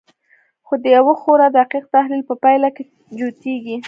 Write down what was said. خو د یوه خورا دقیق تحلیل په پایله کې جوتېږي